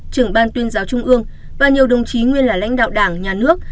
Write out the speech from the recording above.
trưởng ban tuyên giáo trung ương và nhiều đồng chí nguyên là lãnh đạo đảng nhà nước